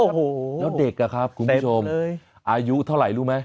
โอ้โหแล้วเด็กอะครับคุณผู้ชมอายุเท่าไหร่รู้ไหม